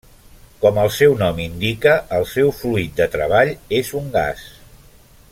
Com el seu nom indica, el seu fluid de treball és un gas.